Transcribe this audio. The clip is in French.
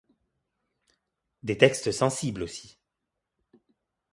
Des textes sensibles aussi.